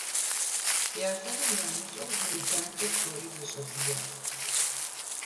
ЯщӀэнур ямыщӀэу зы меданкӀэ псори зэщӀэдиящ.